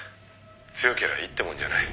「強けりゃいいってもんじゃない。